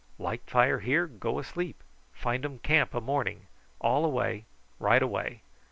"Light fire here; go asleep! Findum camp a morning. All away, right away.